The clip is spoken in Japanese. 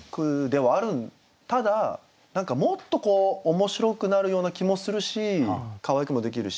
ただ何かもっと面白くなるような気もするしかわいくもできるし。